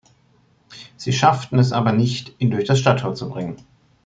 Sie schafften es aber nicht, ihn durch das Stadttor zu bringen.